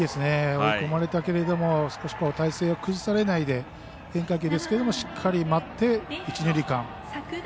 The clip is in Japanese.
追い込まれたけれども少し体勢を崩されないで変化球ですけれどもしっかり待って、一、二塁間。